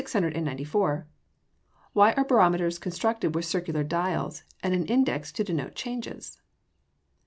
_Why are barometers constructed with circular dials, and an index to denote changes?